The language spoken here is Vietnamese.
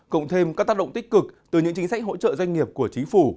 cộng thêm các tác động tích cực từ những chính sách hỗ trợ doanh nghiệp của chính phủ